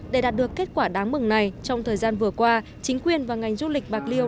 để đạt được kết quả đáng mừng này trong thời gian vừa qua chính quyền và ngành du lịch bạc liêu